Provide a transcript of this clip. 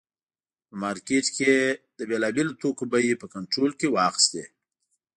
په مارکېټ کې یې د بېلابېلو توکو بیې په کنټرول کې واخیستې.